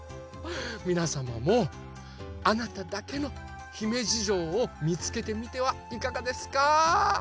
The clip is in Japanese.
みなさまもあなただけのひめじじょうをみつけてみてはいかがですか？